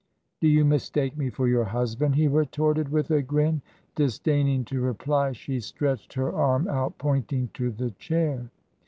... 'Do you mistake me for your husband?' he retorted, with a grin. Disdaining to reply, she stretched her arm out, pointing to the chair.